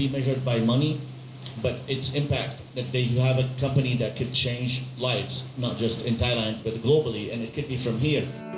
ไม่แค่ในไทยแต่ทั้งโลกและมันก็ได้จากที่นี่